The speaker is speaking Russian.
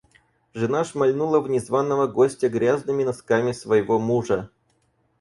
Жена шмальнула в незваного гостя грязными носками своего мужа.